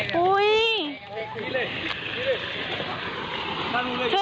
จิ๊กสิเลยจิ๊กสิเลย